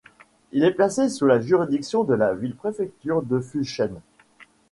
Il est placé sous la juridiction de la ville-préfecture de Fushun.